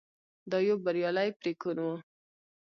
دا یو بریالی پرېکون و.